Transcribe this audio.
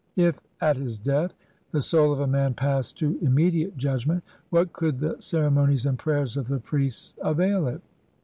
If at his death the soul of a man passed to immediate judgment, what could the ceremonies and prayers of the priests avail it?